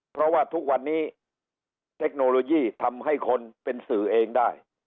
เพราะว่าทุกวันนี้เทคโนโลยีทำให้คนเป็นสื่อเองได้